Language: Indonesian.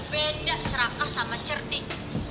beda serakah sama cerdik